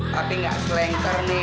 tapi gak selengkar nih